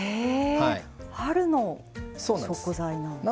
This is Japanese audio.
春の食材なんですね。